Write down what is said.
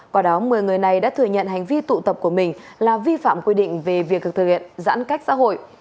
quả đó một mươi người này đã thừa nhận hành vi tụ tập của mình là vi phạm quy định về việc thực hiện giãn cách xã hội